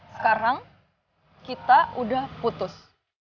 sekarang kita udah putus